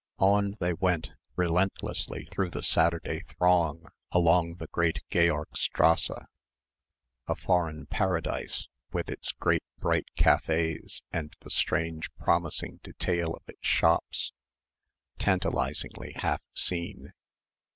On they went relentlessly through the Saturday throng along the great Georgstrasse a foreign paradise, with its great bright cafés and the strange promising detail of its shops tantalisingly half seen.